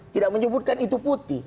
tidak menyebutkan itu putih